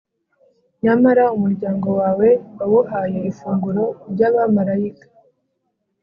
Nyamara umuryango wawe wawuhaye ifunguro ry’abamalayika,